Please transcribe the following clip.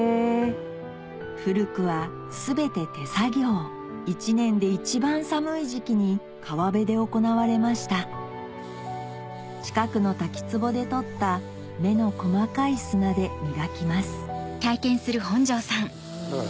古くは全て手作業一年で一番寒い時期に川辺で行われました近くの滝つぼで取った目の細かい砂で磨きます